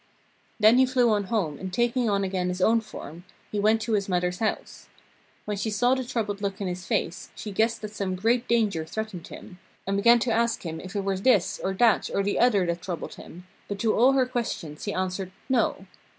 Then he flew on home and taking on again his own form, he went to his mother's house. When she saw the troubled look in his face, she guessed that some great danger threatened him, and began to ask him if it were this, or that, or the other that troubled him, but to all her questions he answered 'no.'